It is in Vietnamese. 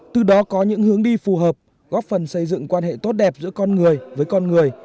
từ đó có những hướng đi phù hợp góp phần xây dựng quan hệ tốt đẹp giữa con người với con người